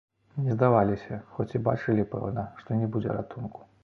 Не здаваліся, хоць і бачылі, пэўна, што не будзе ратунку.